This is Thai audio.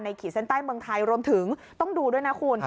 ขีดเส้นใต้เมืองไทยรวมถึงต้องดูด้วยนะคุณ